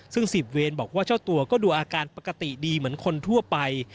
ซึ่ง๑๐เวรบอกว่าเจ้าตัวก็ดูอาการปกติดีเหมือนคนทั่วไป